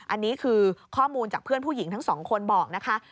อันนี้คือข้อมูลจากเพื่อนผู้หญิงทั้งสองคนบอกนะคะ